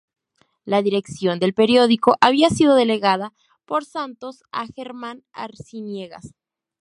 La dirección del periódico había sido delegada por Santos a Germán Arciniegas.